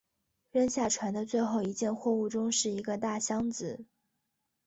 扔下船的最后一件货物中是一个大箱子。